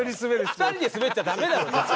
２人でスベっちゃダメだろ絶対。